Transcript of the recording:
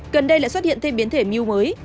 gần đây lại xuất hiện thêm biến thể myu mới